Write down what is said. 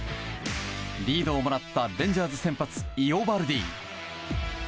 リードをもらったレンジャーズ先発イオバルディ。